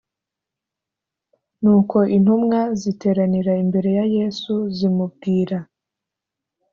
Nuko intumwa ziteranira imbere ya yesu zimubwira